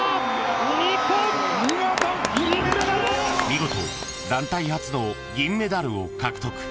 ［見事団体初の銀メダルを獲得］